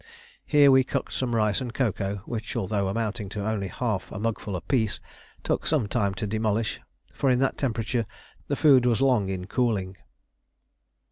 Here we cooked some rice and cocoa, which, although amounting to only half a mugful apiece, took some time to demolish, for in that temperature the food was long in cooling.